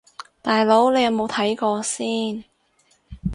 大佬你有冇睇過先